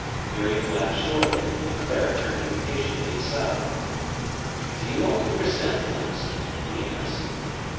Miriam laughed shortly, and Clara turned impatiently aside. "Do you like the chrysanthemums?" he asked.